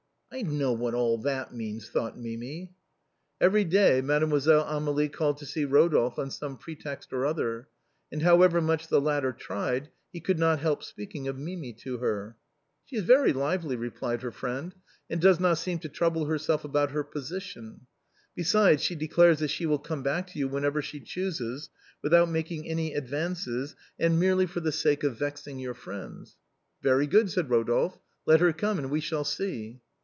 " I know what all that means," thought Mimi. Every day Mademoiselle Amélie called to see Rodolphe on some pretext or other, and however much the latter tried he could not help speaking of Mimi to her. " She is very lively," replied her friend, " and does not MADEMOISELLE MIMI. 179 seem to trouble herself about lier position. Besides she declares that she will come back to you whenever she chooses, without making any advances and merely for the sake of vexing your friends." "Very good/' said Rodolphe, "let her come and we shall see."